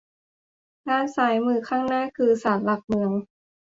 ด้านซ้ายมือข้างหน้าคือศาลหลักเมือง